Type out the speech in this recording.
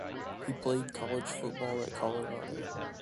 He played college football at Colorado.